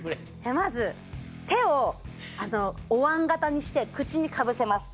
まず手をおわん型にして口にかぶせます。